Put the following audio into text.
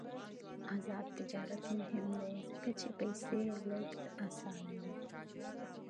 آزاد تجارت مهم دی ځکه چې پیسې لیږد اسانوي.